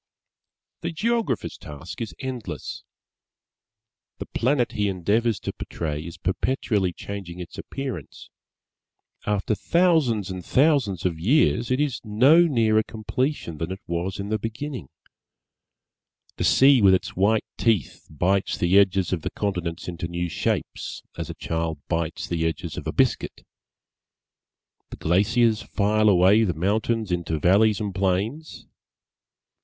The Geographer's task is endless. The Planet he endeavours to portray is perpetually changing its appearance. After thousands and thousands of years, it is no nearer completion than it was in the beginning. The Sea with its white teeth bites the edges of the continents into new shapes, as a child bites the edges of a biscuit. The glaciers file away the mountains into valleys and plains.